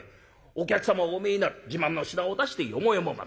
お客様がお見えになる自慢の品を出してよもやま話。